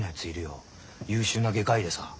優秀な外科医でさ。